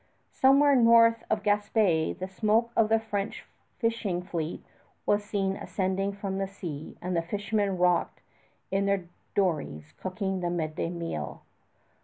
Somewhere north of Gaspé the smoke of the French fishing fleet was seen ascending from the sea, as the fishermen rocked in their dories cooking the midday meal.